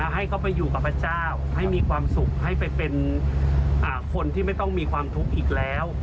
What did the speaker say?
ให้เขาไปอยู่กับพระเจ้าให้มีความสุขให้ไปเป็นคนที่ไม่ต้องมีความทุกข์อีกแล้ว